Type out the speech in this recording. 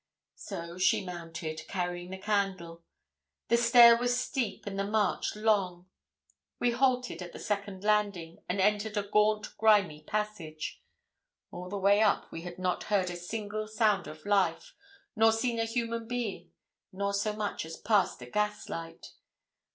So she mounted, carrying the candle. The stair was steep, and the march long. We halted at the second landing, and entered a gaunt, grimy passage. All the way up we had not heard a single sound of life, nor seen a human being, nor so much as passed a gaslight.